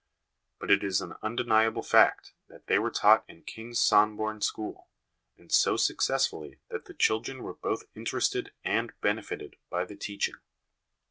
But it is an undeniable fact that they were taught in Kings Somborne school, and so successfully that the chil dren were both interested and benefited by the teaching.